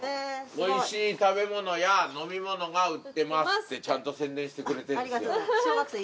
「おいしいたべものやのみものが売っています」ってちゃんと宣伝してくれてるんすよ。